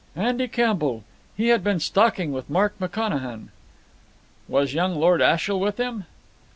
"Andy Campbell. He had been stalking with Mark McConachan." "Was young Lord Ashiel with him?"